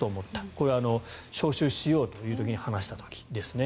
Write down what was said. これは招集しようという時に話した時ですね。